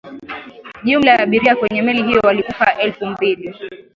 jumla ya abiria kwenye meli hiyo walikuwa elfu mbili